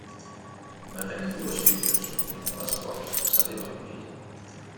Va tenir dues filles, una de les quals se li va morir.